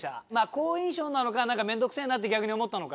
好印象なのかめんどくせぇなって逆に思ったのか。